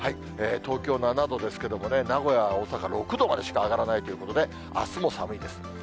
東京７度ですけれども、名古屋、大阪６度までしか上がらないということで、あすも寒いです。